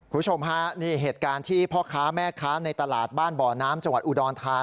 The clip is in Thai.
คุณผู้ชมฮะนี่เหตุการณ์ที่พ่อค้าแม่ค้าในตลาดบ้านบ่อน้ำจังหวัดอุดรธานี